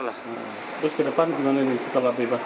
terus ke depan gimana ini setelah bebas